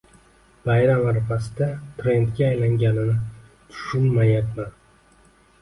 Bayram arafasida trendga aylanganini tushunmayapman.